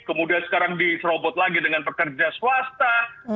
kemudian sekarang diserobot lagi dengan pekerja swasta